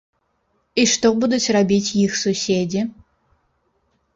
І што будуць рабіць іх суседзі?